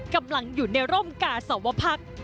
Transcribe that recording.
กำลังอยู่ในร่มกาสวพักษ์